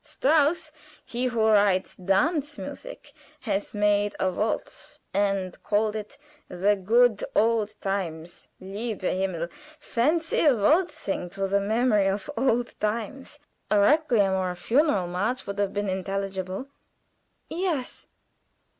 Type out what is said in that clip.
Strauss he who writes dance music has made a waltz, and called it 'The Good Old times.' Lieber Himmel! Fancy waltzing to the memory of old times. A requiem or a funeral march would have been intelligible." "Yes."